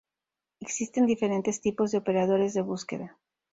Existen diferentes tipos de operadores de búsqueda.